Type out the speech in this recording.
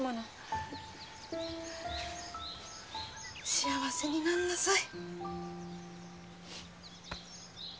幸せになんなさい。